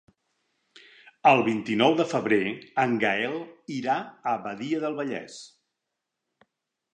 El vint-i-nou de febrer en Gaël irà a Badia del Vallès.